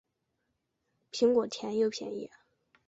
苹果甜又便宜